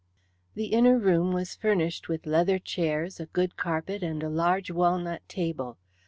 The inner room was furnished with leather chairs, a good carpet, and a large walnut table.